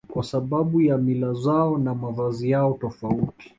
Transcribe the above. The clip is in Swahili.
Kwa sababu ya mila zao na mavazi yao tofauti